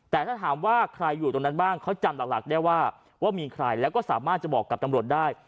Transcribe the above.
แต่ถ้าถามว่าใครอยู่ตรงนั้นบ้างเขาจำหลักได้ว่าว่ามีใครแล้วก็สามารถจะบอกกับตำรวจได้